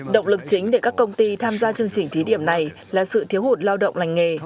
động lực chính để các công ty tham gia chương trình thí điểm này là sự thiếu hụt lao động lành nghề